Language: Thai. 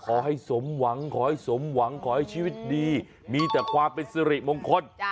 ขอให้สมหวังขอให้ชีวิตดีมีแต่ความเป็นสริมงคล